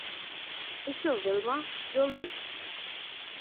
এসো, ভেলমা, জলদি।